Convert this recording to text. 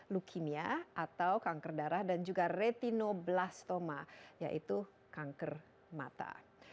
leukemia atau kanker darah dan juga retinoblastoma yaitu kanker mata